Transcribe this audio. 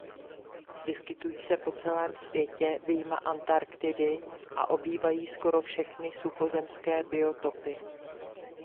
Vyskytují se po celém světě vyjma Antarktidy a obývají skoro všechny suchozemské biotopy.